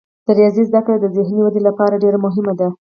د ریاضي زده کړه د ذهني ودې لپاره ډیره مهمه ده.